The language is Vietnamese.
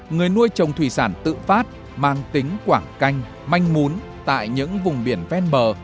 người nuôi trồng thủy sản tự phát mang tính quảng canh manh mún tại những vùng biển ven bờ